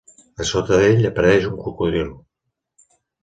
A sota d'ell, apareix un cocodril.